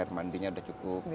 air mandinya sudah cukup